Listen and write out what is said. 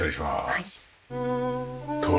はい。